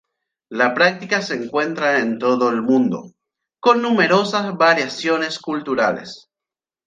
La práctica se encuentra en todo el mundo, con numerosas variaciones culturales.